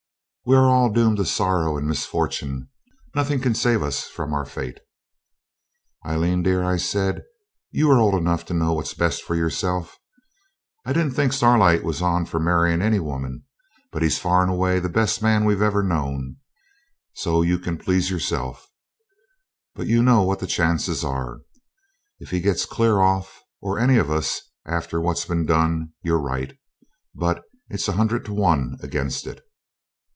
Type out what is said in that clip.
We are all doomed to sorrow and misfortune, and nothing can save us from our fate.' 'Aileen, dear,' I said, 'you are old enough to know what's best for yourself. I didn't think Starlight was on for marrying any woman, but he's far and away the best man we've ever known, so you can please yourself. But you know what the chances are. If he gets clear off, or any of us, after what's been done, you're right. But it's a hundred to one against it.'